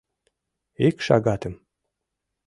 — Ик шагатым.